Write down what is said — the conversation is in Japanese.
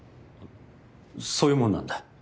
そういうもんなんだ？